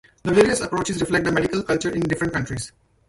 The various approaches reflect the medical culture in different countries.